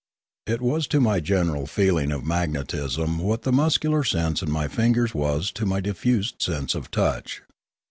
It was to my general feeling of magnetism what the muscular sense in my fingers was to my diffused sense of touch.